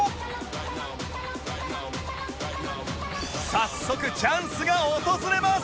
早速チャンスが訪れます